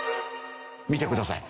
見てください。